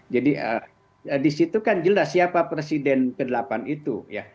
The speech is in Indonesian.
jadi di situ kan jelas siapa presiden ke delapan itu ya